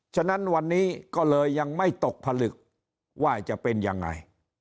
ฉะนั้นวันนี้ก็เลยยังไม่ตกผลึกว่าจะเป็นยังไง